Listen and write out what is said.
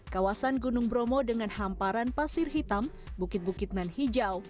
kawasan gunung bromo dengan hamparan pasir hitam bukit bukit nan hijau